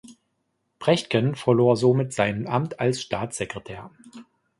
Brechtken verlor somit sein Amt als Staatssekretär.